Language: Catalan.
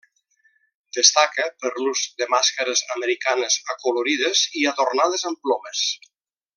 Destaca per l'ús de màscares americanes acolorides i adornades amb plomes.